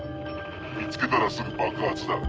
見つけたらすぐ爆発だ。